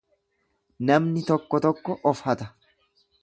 Namni tokko tokko of hata.